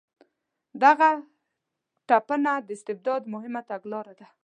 دغه تپنه د استبداد مهمه تګلاره ده.